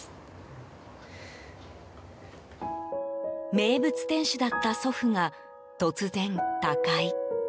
名物店主だった祖父が突然、他界。